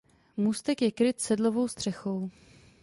Můstek je kryt sedlovou střechou.